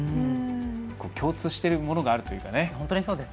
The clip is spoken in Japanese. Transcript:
共通しているものがあるというか。